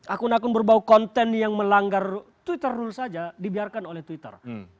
akun akun berbau konten yang melanggar twitter rule saja dibiarkan oleh twitter